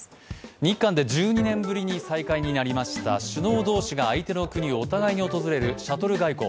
日韓で１２年ぶりに再開になりました首脳が相手の国をお互いに訪れるシャトル外交。